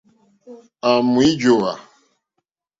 À mò wíjówá.